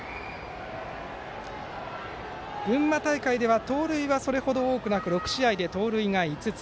群馬大会では盗塁はそれほど多くなく６試合で盗塁が５つ。